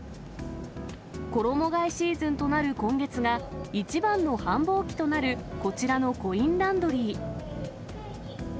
衣がえシーズンとなる今月が、一番の繁忙期となるこちらのコインランドリー。